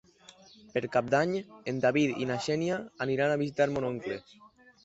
Per Cap d'Any en David i na Xènia aniran a visitar mon oncle.